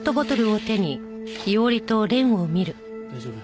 大丈夫？